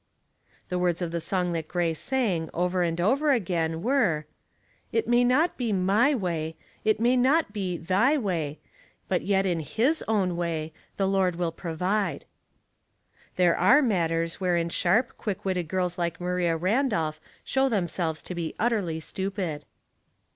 The words of the song that Grace sang, over and over again, were, — •'It may not be my way, It may not be thy way, But yet in His own way, The Lord wiE provide." There are matters wherein sharp, quick witted girls like Maria Randolph show themselves to be utterly stupid.